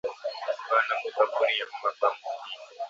Bana mu kaburiya mama ba mbuji